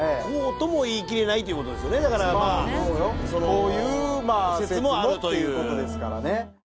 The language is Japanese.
こういう説もっていうことですからね。